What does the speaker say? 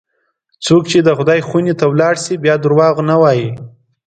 څوک چې د خدای خونې ته ولاړ شي، بیا دروغ نه وایي.